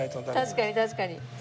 確かに確かに。